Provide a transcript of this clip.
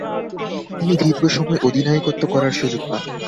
তিনি দীর্ঘসময় অধিনায়কত্ব করার সুযোগ পান।